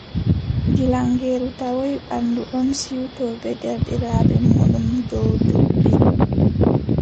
Gilaŋeeru tawoy waandu ɗon siwto bee deerɗiraaɓe muuɗum dow duɓɓi.